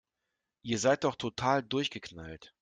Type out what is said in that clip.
Ihr seid doch total durchgeknallt!